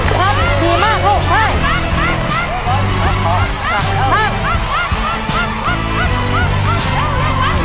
ครับดีมากโอ้ยใช่